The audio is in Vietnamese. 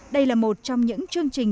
đây là một trong những chương trình